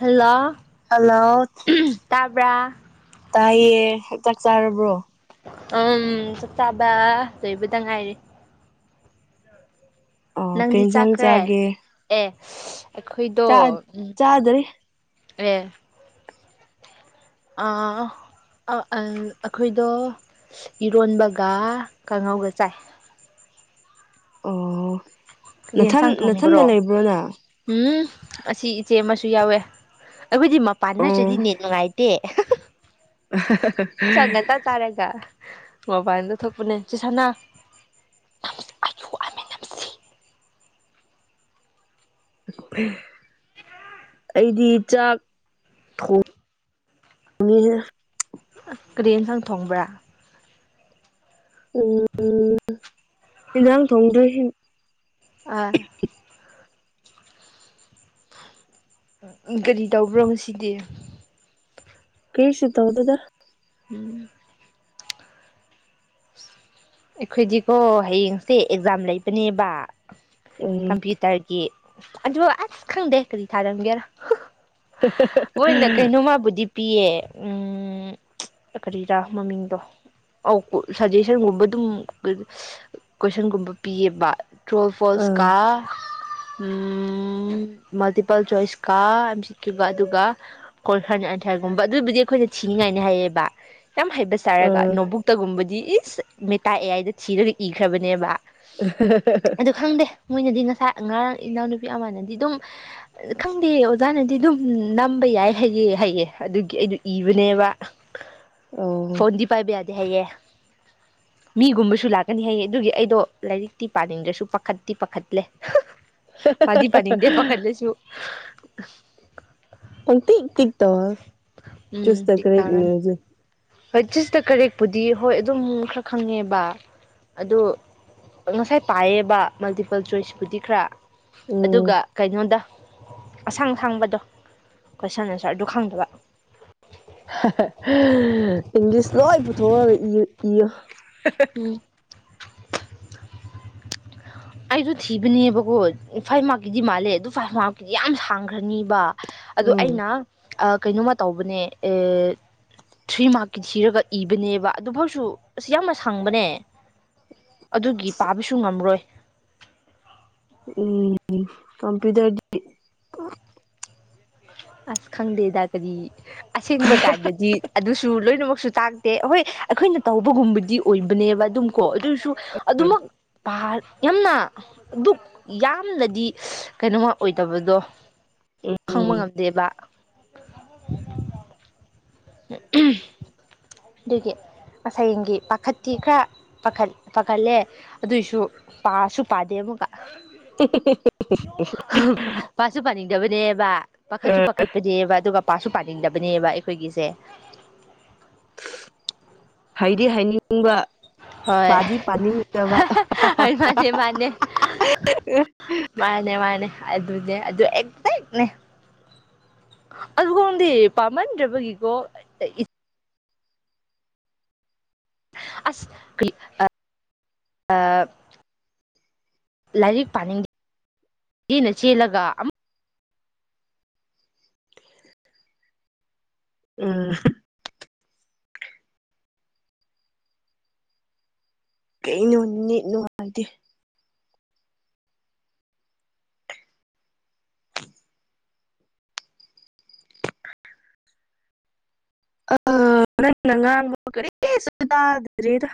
hello hello ꯇꯥꯕ꯭ꯔꯥ ꯇꯥꯏꯌꯦ ꯆꯥꯛ ꯆꯥꯔꯕ꯭ꯔꯣ ꯎꯝ ꯆꯥꯛ ꯆꯥꯕ ꯂꯣꯏꯕꯗ ꯉꯥꯏꯔꯤ ꯑꯣ ꯀꯩ ꯅꯪꯗꯤ ꯏꯟꯁꯥꯡ ꯆꯥꯛꯈ꯭ꯔꯦ ꯆꯥꯒꯦ ꯑꯦ ꯑꯩꯈꯣꯏꯗꯣ ꯎꯝ ꯆꯥꯗ꯭ꯔꯤ ꯑꯦ [unintelligible] ꯑꯩꯈꯣꯏꯗꯣ ꯏꯔꯣꯟꯕꯒ ꯀꯥꯡꯉꯧꯒ ꯆꯥꯏ ꯑꯣ ꯀꯔꯤ ꯅꯊꯟ ꯌꯦꯟꯁꯥꯡ ꯅꯊꯟꯗ ꯊꯣꯡꯕ꯭ꯔꯣ ꯂꯩꯕ꯭ꯔꯣ ꯅꯪ ꯎꯝ ꯑꯁꯤ ꯏꯆꯦ ꯑꯃꯁꯨ ꯌꯥꯎꯋꯦ ꯑꯩꯈꯣꯏꯗꯤ ꯃꯄꯥꯟ ꯅꯠꯇ꯭ꯔꯗꯤ ꯑꯣ ꯅꯦꯠ ꯅꯨꯡꯉꯥꯏꯇꯦ [unintelligible] ꯆꯥꯛ [unintelligible] ꯉꯟꯇꯥ ꯆꯥꯔꯒ ꯃꯣꯕꯥꯏꯜꯗ ꯊꯣꯛꯄꯅꯦ ꯆꯦ ꯁꯥꯅꯥ [unintelligible] ꯑꯩꯗꯤ ꯆꯥꯛ ꯊꯣꯡ ꯉꯤꯌꯦ ꯑꯁ ꯀꯔꯤ ꯏꯟꯁꯥꯡ ꯊꯣꯡꯕ꯭ꯔꯥ ꯎꯝ ꯀꯗꯪ [unintelligible] ꯊꯣꯡꯗ꯭ꯔ ꯑ ꯎꯝ ꯀꯔꯤ ꯇꯧꯕ꯭ꯔꯣ ꯉꯁꯤꯗꯤ ꯀꯔꯤꯁꯨ ꯇꯧꯗ‌ꯦꯗ ꯎꯝ ꯑꯩꯈꯣꯏꯗꯤꯀꯣ ꯍꯌꯦꯡꯁꯦ ꯑꯦꯛꯖꯥꯝ ꯂꯩꯕꯅꯦꯕ ꯎꯝ ꯀꯝꯄ꯭ꯌꯨꯇꯔ ꯀꯤ ꯑꯗꯨ ꯑꯁ ꯈꯪꯗꯦ ꯀꯔꯤ ꯊꯥꯔꯝꯒꯦꯔꯥ ꯃꫭꯏꯅ ꯀꯩꯅꯣꯃꯕꯨꯗꯤ ꯄꯤꯌꯦ ꯎꯝ ꯀꯔꯤꯔꯥ ꯃꯃꯤꯡꯗꯣ ꯁꯖꯦꯁꯟꯒꯨꯝꯕ ꯑꯗꯨꯝ ꯀꯣꯏꯁꯟꯒꯨꯝꯕ ꯄꯤꯌꯦꯕ ꯇ꯭ꯔꯨꯎ ꯑꫭꯔ ꯐꯣꯜꯁꯀ ꯑꯥ ꯃꯜꯇꯤꯄꯜ ꯆꯣꯏꯁꯀ ꯌꯥꯝ [unintelligible] ꯁꯤꯠꯈꯤꯕ ꯑꯗꯨꯒ ꯀꯣꯏꯈꯔ ꯑꯟꯊꯔꯒꯨꯝꯕ [unintelligible] ꯑꯗꯨꯕꯨꯗꯤ ꯑꯩꯈꯣꯏꯅ ꯊꯤꯅꯤꯡꯉꯥꯏꯅꯤ ꯍꯥꯏꯌꯦꯕ ꯌꯥꯝ ꯍꯩꯁ ꯆꯔꯒ ꯑꯥ ꯅꯣꯕꯨꯛꯇꯒꯨꯝꯕꯗꯤ ꯏꯁ ꯃꯦꯇ ꯑ‌ꯦ ꯑꯥꯏꯗ ꯊꯤꯔꯒ ꯏꯈ꯭ꯔꯕꯅꯦꯕ ꯑꯗꯨ ꯈꯪꯗꯦ ꯃꯣꯏꯅꯗꯤ ꯉꯁꯥꯏ ꯉꯔꯥꯡ ꯏꯅꯥꯎꯅꯨꯄꯤ ꯑꯃꯅꯗꯤ ꯑꯗꯨꯝ ꯈꯪꯗꯦ ꯑꯣꯖꯥꯅꯗꯤ ꯑꯗꯨꯝ ꯅꯝꯕ ꯌꯥꯏ ꯍꯩꯌꯦ ꯍꯩꯌꯦ ꯑꯗꯨꯒꯤ ꯑꯩꯅ ꯏꯕꯅꯦꯕ [inaudible] ꯐꯣꯟꯗꯤ ꯄꯥꯏꯕ ꯌꯥꯗꯦ ꯍꯥꯏꯌꯦ ꯃꯤꯒꯨꯝꯕꯁꯨ ꯂꯥꯛꯀꯅꯤ ꯍꯥꯏꯌꯦ ꯑꯗꯨꯒꯤ ꯑꯩꯗꯣ ꯂꯥꯏꯔꯤꯛꯇꯤ ꯄꯥꯅꯤꯡꯗ꯭ꯔꯁꯨ ꯄꯥꯈꯠꯇꯤ ꯄꯥꯈꯠꯂꯦ ꯄꯗꯤ ꯄꯅꯤꯗꯦ ꯄꯈꯠꯂꯁꯨ ꯄꯪꯇꯤꯛ ꯇꯤꯛ ꯇꯧꯋꯥ ꯎꯝ ꯆꯨꯁ ꯇꯤꯛ ꯀꯔꯤ ꯇꯥꯔꯝꯃꯦ ꯏꯔꯁꯨ ꯍꯣꯏ ꯆꯨꯁꯇ ꯀꯔꯦꯛꯄꯨꯗꯤ ꯍꯣꯏ ꯑꯗꯨꯝ ꯈꯔ ꯈꯪꯉꯦꯕ ꯑꯗꯣ ꯉꯁꯥꯏ ꯄꯥꯏꯌꯦꯕ ꯃꯜꯇꯤꯄꯜ ꯆꯣꯏꯁꯄꯨꯗꯤ ꯈꯔ ꯎꯝ ꯑꯗꯨꯒ ꯀꯩꯅꯣꯗ ꯑꯁꯥꯡ ꯑꯁꯥꯡꯕꯗꯣ ꯀꯣꯏꯁꯟ ꯑꯟꯁꯔ ꯑꯗꯨ ꯈꯪꯗꯕ ꯏꯪꯂꯤꯁ ꯂꯣꯏ ꯄꯨꯊꯣꯛꯑꯒ ꯏꯌꯣ ꯎꯝ ꯑꯩꯗꯣ ꯊꯤꯕꯅꯦꯕꯀꯣ ꯐꯥꯏꯚ ꯃꯥꯛꯀꯤꯗꯤ ꯃꯥꯜꯂꯦ ꯑꯗꯨ ꯐꯥꯏꯚ ꯃꯥꯛꯀꯤꯗꯤ ꯌꯥꯝ ꯁꯥꯡꯈ꯭ꯔꯅꯤꯕ ꯑ ꯎꯝ ꯑꯩꯅ ꯀꯩꯅꯣꯃ ꯇꯧꯕꯅꯦ [inaudible] ꯊ꯭ꯔꯤ ꯃꯥꯔꯛꯀꯤ ꯊꯤꯔꯒ ꯏꯕꯅꯦꯕ ꯑꯗꯨꯐꯥꯎꯁꯨ ꯑꯁ ꯌꯥꯝꯅ ꯁꯪꯕꯅꯦ ꯑꯗꯨꯒꯤ ꯄꯥꯕꯁꯨ ꯉꯝꯔꯣꯏ ꯎꯝ ꯀꯝꯄꯨꯇꯔꯗꯤ ꯑꯁ ꯈꯪꯗꯦꯗ ꯀꯔꯤ ꯑꯁꯦꯡꯕ ꯀꯥꯟꯗꯗꯤ ꯑꯗꯨꯁꯨ ꯂꯣꯏꯅꯃꯛꯁꯨ ꯇꯥꯛ ꯇꯦ ꯑꯩꯍꯣꯏ ꯑꯩꯈꯣꯏꯅ ꯇꯧꯕꯒꯨꯝꯕꯗꯤ ꯑꯣꯏꯕꯅꯦꯕ ꯑꯗꯨꯝ ꯀꯣ ꯑꯗꯨꯁꯨ ꯑꯗꯨꯃꯛ ꯄꯥ ꯌꯥꯝꯅ ꯑꯗꯨꯛ ꯌꯥꯝꯅꯗꯤ ꯀꯩꯅꯣꯃ ꯑꯣꯏꯗꯕꯗꯣ ꯎꯝ ꯗꯦꯕꯥ ꯑꯗꯨꯒꯤ ꯉꯁꯥꯏꯒꯤ ꯄꯥꯈꯠꯇꯤ ꯈꯔ ꯥ ꯄꯥꯈꯠꯂꯦ ꯑꯗꯨꯏꯁꯨ ꯄꯥꯁꯨ ꯄꯥꯗꯦ ꯑꯃꯨꯛꯀ [unintelligible] ꯄꯥꯁꯨ ꯄꯥꯅꯤꯡꯗꯕꯅꯦꯕ ꯄꯥꯈꯠꯁꯨ ꯄꯥꯈꯠꯄꯅꯦꯕ ꯑꯗꯨꯒ ꯄꯥꯠꯁꯨ ꯄꯥꯅꯤꯡꯗꯕꯅꯦꯕ ꯑꯩꯈꯣꯏꯒꯤꯁꯦ ꯍꯥꯏꯗꯤ ꯍꯥꯏꯅꯤꯡꯕ ꯍꯣꯏ ꯄꯗꯤ ꯄꯥꯅꯤꯡꯗꯕ ꯍꯣꯏ ꯃꯥꯅꯦ ꯃꯥꯅꯦ ꯃꯥꯅꯦ ꯃꯥꯅꯦ ꯑꯗꯨꯅꯦ ꯑꯗꯨ ꯑꯦꯛ ꯑꯗꯨꯒꯪꯗꯤ ꯄꯥꯝꯃꯟꯗ꯭ꯔꯕꯒꯤꯀꯣ ꯑꯁ ꯀ꯭ꯂꯤ ꯂꯥꯏꯔꯤꯛ ꯄꯥꯅꯤꯡꯗꯦꯅ ꯆꯦꯜꯂꯒ ꯑꯃ ꯎꯝ ꯀꯩꯅꯣ ꯅꯦꯠ ꯅꯨꯡꯉꯥꯏꯇꯦ ꯑ ꯅꯪꯅ ꯉꯥꯡꯕ ꯀꯔꯤꯁꯨ ꯇꯗꯔꯤꯗ